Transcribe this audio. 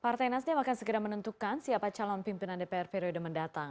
partai nasdem akan segera menentukan siapa calon pimpinan dpr periode mendatang